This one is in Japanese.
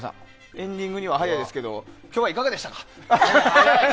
エンディングには早いですけども今日はいかがでしたか？